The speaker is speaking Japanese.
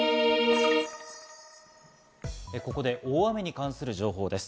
ここで大雨に関する情報です。